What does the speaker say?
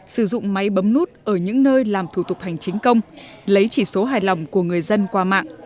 sử dụng máy bấm nút ở những nơi làm thủ tục hành chính công lấy chỉ số hài lòng của người dân qua mạng